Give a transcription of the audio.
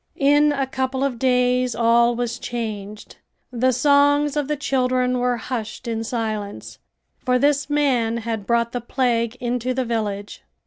In a couple of days all was changed. The songs of the children were hushed in silence, for this man had brought the plague into the village.